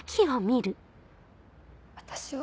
私は。